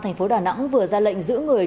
thành phố đà nẵng vừa ra lệnh giữ người